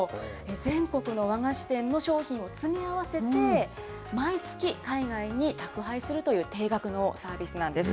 全国の和菓子店の商品を詰め合わせて、毎月、海外に宅配するという定額のサービスなんです。